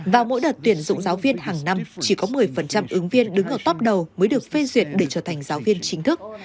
vào mỗi đợt tuyển dụng giáo viên hàng năm chỉ có một mươi ứng viên đứng ở top đầu mới được phê duyệt để trở thành giáo viên chính thức